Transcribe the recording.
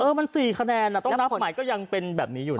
มัน๔คะแนนต้องนับใหม่ก็ยังเป็นแบบนี้อยู่นะ